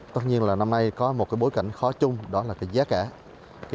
tất nhiên là năm nay có một bối cảnh khó chung đó là giá kẻ